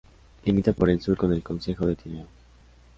Limita por el sur con el concejo de Tineo.